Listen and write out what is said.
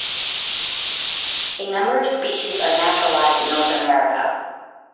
A number of species are naturalized in North America.